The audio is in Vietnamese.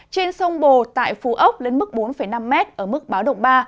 trên sông bồ tại phú ốc lên mức bốn năm m ở mức báo động ba